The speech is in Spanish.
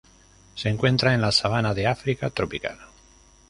Se encuentra en las sabana de África tropical.